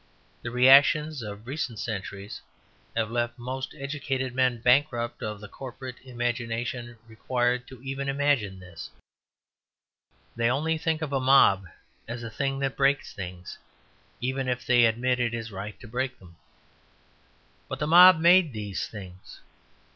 The reactions of recent centuries have left most educated men bankrupt of the corporate imagination required even to imagine this. They only think of a mob as a thing that breaks things even if they admit it is right to break them. But the mob made these things.